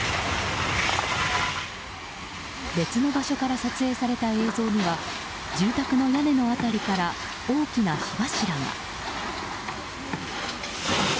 別の場所から撮影された映像には住宅の屋根の辺りから大きな火柱が。